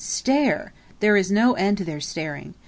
stare there is no end to their staring.